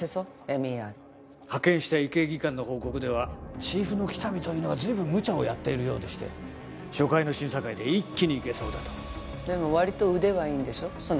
ＭＥＲ派遣した医系技官の報告ではチーフの喜多見というのが随分むちゃをやっているようでして初回の審査会で一気にいけそうだとでもわりと腕はいいんでしょその